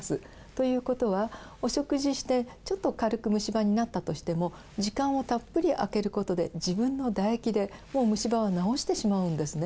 ということはお食事してちょっと軽く虫歯になったとしても時間をたっぷりあけることで自分の唾液でもう虫歯を治してしまうんですね。